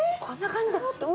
こんな感じだよ。